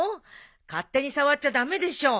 勝手に触っちゃ駄目でしょ。